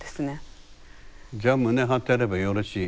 じゃあ胸張ってればよろしい。